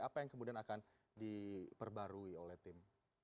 apa yang kemudian akan diperbarui oleh tim